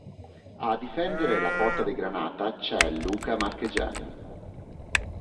A difendere la porta dei granata c'è Luca Marchegiani.